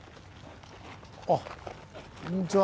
あっこんにちは。